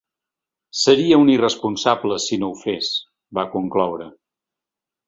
Seria un irresponsable si no ho fes, va concloure.